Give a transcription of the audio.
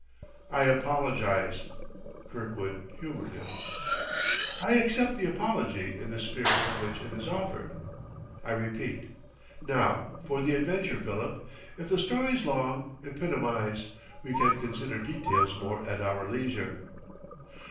"I apologize," Kirkwood humored him. "I accept the apology in the spirit in which it is offered.... I repeat, now for the adventure, Philip. If the story's long, epitomize. We can consider details more at our leisure."